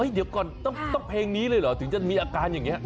เดี๋ยวก่อนต้องเพลงนี้เลยเหรอถึงจะมีอาการอย่างนี้